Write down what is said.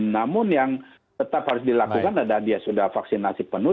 namun yang tetap harus dilakukan adalah dia sudah vaksinasi penuh